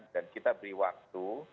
dan kita beri waktu